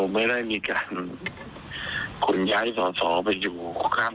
หลังจากนั้นจะทำการ